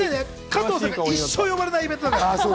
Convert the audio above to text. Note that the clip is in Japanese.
加藤さんは一生呼ばれないイベントだから。